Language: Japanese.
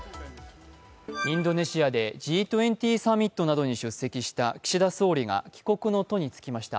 インドネシアでＧ２０サミットなどに出席した岸田総理が帰国の途につきました。